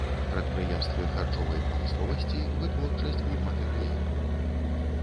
Прадпрыемствы харчовай прамысловасці, вытворчасць будматэрыялаў.